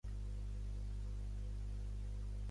També va introduir una sèrie de canvis al projecte KiwiSaver.